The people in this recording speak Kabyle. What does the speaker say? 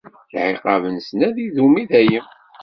Lɛiqab-nsen ad idum i dayem.